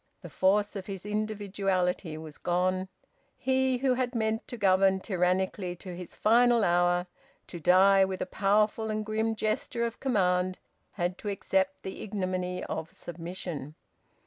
The force of his individuality was gone. He, who had meant to govern tyrannically to his final hour, to die with a powerful and grim gesture of command, had to accept the ignominy of submission.